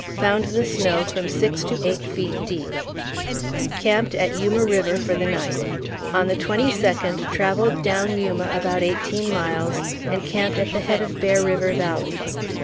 Found the snow from six to eight feet deep; camped at Yuma River for the night. On the twenty second travelled down Yuma about eighteen miles, and camped at the head of Bear River Valley.